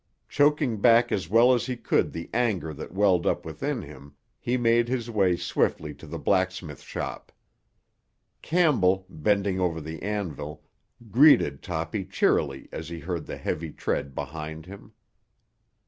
Choking back as well as he could the anger that welled up within him, he made his way swiftly to the blacksmith shop. Campbell, bending over the anvil, greeted Toppy cheerily as he heard the heavy tread behind him.